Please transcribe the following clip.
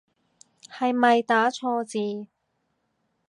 係咪打錯字